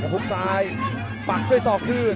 พุกซ้ายปักด้วย๒คืน